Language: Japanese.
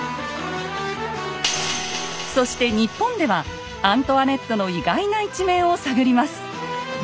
そして日本ではアントワネットの意外な一面を探ります。